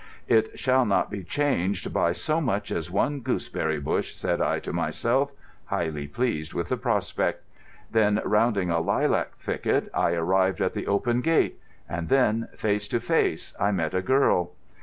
"It shall not be changed by so much as one gooseberry bush," said I to myself, highly pleased with the prospect. Then, rounding a lilac thicket, I arrived at the open gate. And then, face to face, I met a girl.